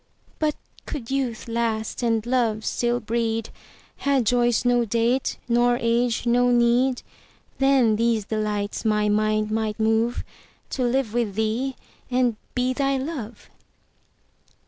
But could youth last, and love still breed, Had joys no date, nor age no need, Then these delights my mind might moveTo live with thee and be thy Love.